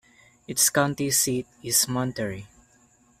Its county seat is Monterey.